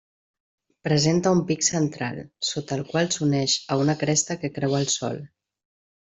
Presenta un pic central, sota el qual s'uneix a una cresta que creua el sòl.